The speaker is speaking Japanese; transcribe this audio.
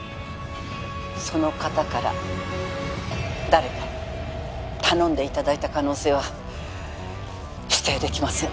その方から誰かに頼んでいただいた可能性は否定できません。